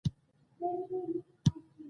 په دې وخت کې کله نا کله